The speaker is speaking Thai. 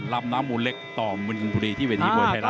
รำน้ำลูนเล็กต่อบุรีที่วัฒน์มวยไทยรัฐครับ